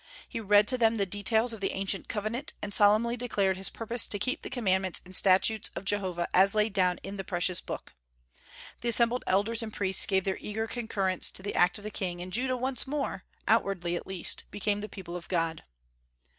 He read to them the details of the ancient covenant, and solemnly declared his purpose to keep the commandments and statutes of Jehovah as laid down in the precious book. The assembled elders and priests gave their eager concurrence to the act of the king, and Judah once more, outwardly at least, became the people of God.